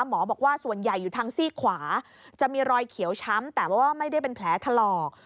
บอกว่าส่วนใหญ่อยู่ทางซี่ขวาจะมีรอยเขียวช้ำแต่ว่าไม่ได้เป็นแผลถลอก